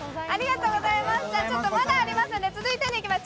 まだありますので、続いてにいきます。